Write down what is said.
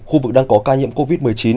khu vực đang có ca nhiễm covid một mươi chín